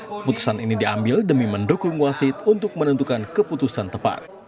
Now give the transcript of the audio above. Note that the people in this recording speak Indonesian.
keputusan ini diambil demi mendukung wasit untuk menentukan keputusan tepat